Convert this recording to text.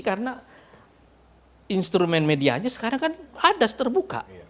karena instrumen medianya sekarang kan hadas terbuka